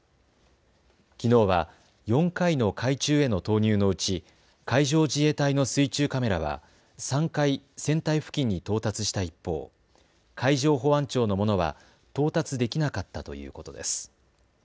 きのうは４回の海中への投入のうち海上自衛隊の水中カメラは３回、船体付近に到達した一方、海上保安庁のものは到達できなかったということです。